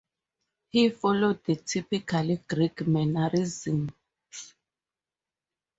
He followed the typical Greek mannerisms.